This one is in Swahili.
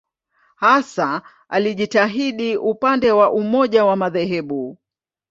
Hasa alijitahidi upande wa umoja wa madhehebu.